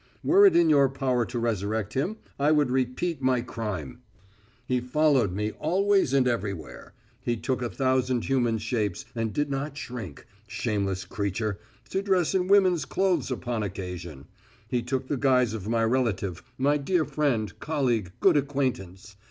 Were it in your power to resurrect him, I would repeat my crime. He followed me always and everywhere. He took a thousand human shapes, and did not shrink shameless creature to dress in women's clothes upon occasion. He took the guise of my relative, my dear friend, colleague, good acquaintance.